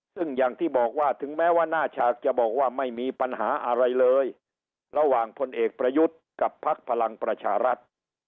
ซึ่งอย่างที่บอกว่าถึงแม้ว่าหน้าฉากจะบอกว่าไม่มีปัญหาอะไรเลยระหว่างพลเอกประยุทธ์กับพักพลังประชารัฐ